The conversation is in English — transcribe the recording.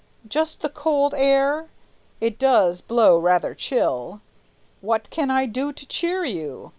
Just the cold air? It does blow rather chill! What can I do to cheer you?